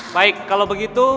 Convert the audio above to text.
baik kalo begitu